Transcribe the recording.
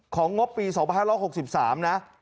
ของงบปี๒๕๖๓นะ